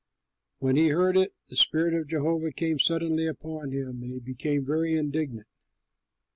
When he heard it, the spirit of Jehovah came suddenly upon him and he became very indignant.